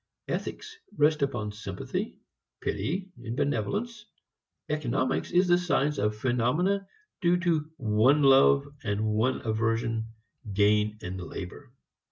Ethics rest upon sympathy, pity, benevolence. Economics is the science of phenomena due to one love and one aversion gain and labor.